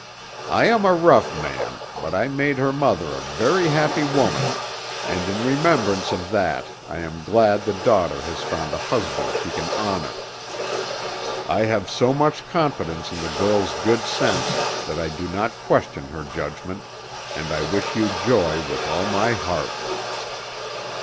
I am a rough man, but I made her mother a very happy woman, and in remembrance of that I am glad the daughter has found a husband she can honor. I have so much confidence in the girl's good sense that I do not question her judgment, and I wish you joy with all my heart."